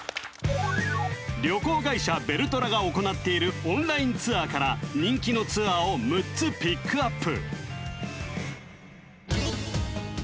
旅行会社ベルトラが行っているオンラインツアーから人気のツアーを６つピックアップ